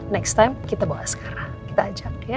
next time kita bawa askara kita ajak dia